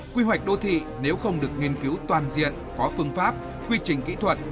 quy hoạch đô thị nếu không được nghiên cứu toàn diện có phương pháp quy trình kỹ thuật